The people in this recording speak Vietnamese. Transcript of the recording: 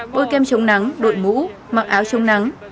bôi kem chống nắng đội mũ mặc áo chống nắng